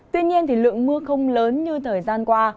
tuy nhiên lượng mưa không lớn như thời gian qua